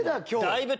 今日。